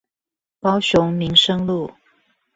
高雄民生路